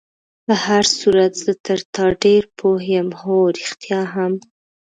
په هر صورت زه تر تا ډېر پوه یم، هو، رښتیا هم.